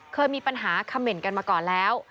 เคยมีปัญหาเขม่นกันมาก่อนแล้ว